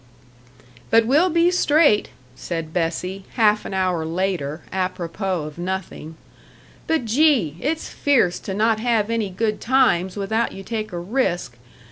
"But we'll be straight," said Bessie, half an hour later, apropos of nothing. "But gee! it's fierce to not have any good times without you take a risk.